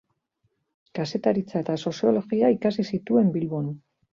Kazetaritza eta soziologia ikasi zituen Bilbon.